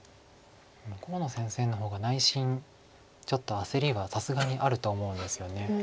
河野先生の方が内心ちょっと焦りはさすがにあると思うんですよね。